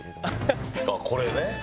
あっこれね。